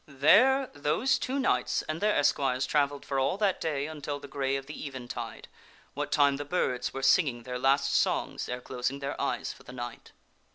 There those two knights and their esquires travelled for all that day un til the gray of the eventide, what time the birds were singing their last songs ere closing their eyes for the night.